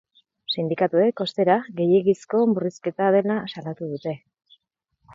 Sindikatuek, ostera, gehiegizko murrizketa dela salatu dute.